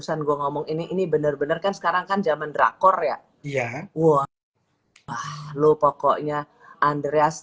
pesan gue ngomong ini ini bener bener kan sekarang kan zaman drakor ya dia wah lo pokoknya andreas